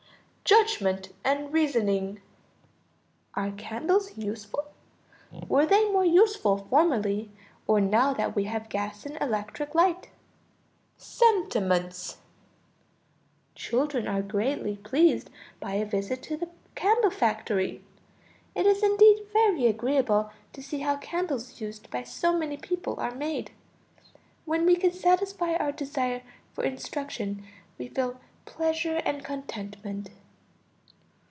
Judgment and reasoning. Are candles useful? Were they more useful formerly, or now that we have gas and electric light? Sentiments. Children are greatly pleased by a visit to a candle factory. It is indeed very agreeable to see how candles used by so many people are made. When we can satisfy our desire for instruction we feel pleasure and contentment.